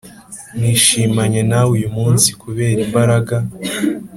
nishimanye nawe uyu munsi kubera imbaraga